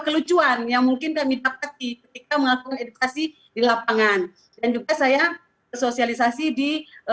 kelucuan yang mungkin dah minta kaki kita melakukan edukasi di lapangan dan juga saya sosialisasi di